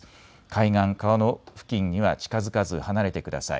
海岸、川の付近には近づかず離れてください。